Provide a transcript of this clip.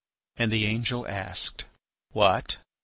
And the angel asked: "What?